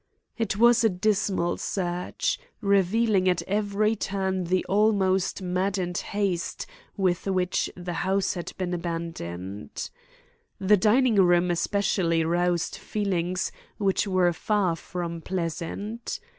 It was a dismal search, revealing at every turn the almost maddened haste with which the house had been abandoned. The dining room especially roused feelings which were far from pleasant.